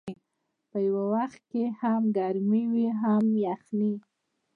په یو وخت کې هم ګرمي وي هم یخني.